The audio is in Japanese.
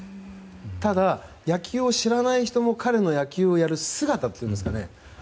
ただ、野球を知らない人も彼の野球をやる姿というんですかね。